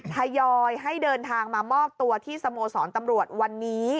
ทยอยให้เดินทางมามอบตัวที่สโมสรตำรวจวันนี้